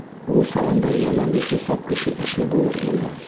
Ул сағында йәнә бихисап кеше эшле булыр ине.